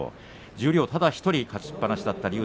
十両ただ１人勝ちっぱなしだった竜